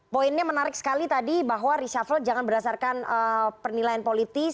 poinnya menarik sekali tadi bahwa reshuffle jangan berdasarkan penilaian politis